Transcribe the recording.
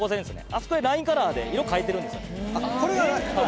あそこでラインカラーで色、変えてるんです。